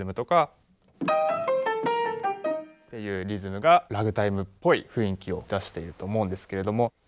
いうリズムがラグタイムっぽい雰囲気を出していると思うんですけれども。